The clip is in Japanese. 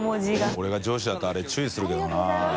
俺が上司だったらあれ注意するけどな。